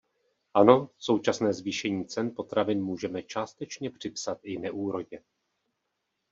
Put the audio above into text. Ano, současné zvýšení cen potravin můžeme částečně připsat i neúrodě.